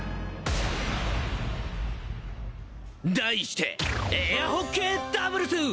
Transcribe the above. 題してエアホッケーダブルス！